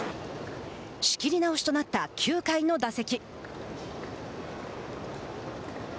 仕切り直しとなった９回の打席。